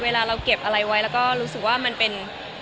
เวลาเราเก็บอะไรไว้แล้วก็รู้สึกว่ามันเป็น